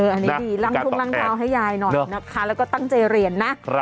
อันนี้ดีล้างทุ่งล้างเท้าให้ยายหน่อยนะคะแล้วก็ตั้งใจเรียนนะ